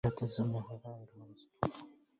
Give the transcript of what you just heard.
لا تلزمني في رعي الهوى سرفا